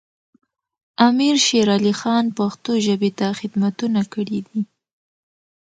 امیر شیر علی خان پښتو ژبې ته خدمتونه کړي دي.